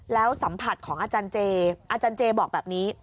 แล้วสัมผัสของอาจารย์เจอาจารย์เจบอกแบบนี้